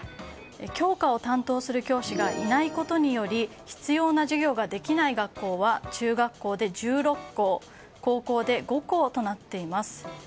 教科を担当する教師がいないことにより必要な授業ができない学校は中学校で１６校高校で５校となっています。